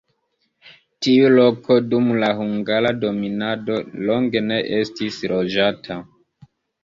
Tiu loko dum la hungara dominado longe ne estis loĝata.